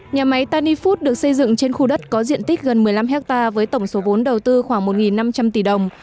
nhà máy tanny food được xây dựng trên khu đất có diện tích gần một mươi năm hectare với tổng số vốn đầu tư khoảng một năm trăm linh tỷ đồng